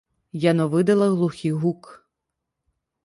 Яно выдала глухі гук.